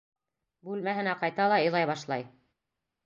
Бүлмәһенә ҡайта ла илай башлай.